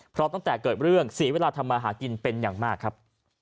เพราะตั้งแต่เกิดเรื่องเสียเวลาทำมาหากินเป็นอย่างมากครับ